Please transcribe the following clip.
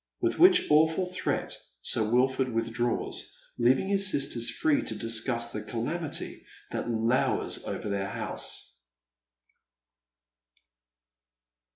With which awful threat Sir Wilford withdraws, leaving his sisters fi'ee to discuss tlae calamity that lowers over their house.